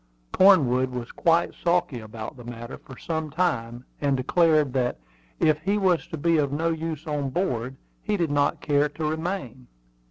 Cornwood was quite sulky about the matter for some time, and declared that, if he was to be of no use on board he did not care to remain.